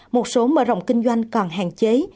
một số mở rộng kinh doanh còn hạn chế